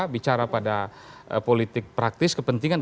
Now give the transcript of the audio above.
bicara pada politik praktis kepentingan